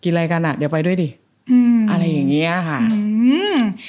กินอะไรกันอ่ะเดี๋ยวไปด้วยดิอะไรอย่างเงี้ยอืม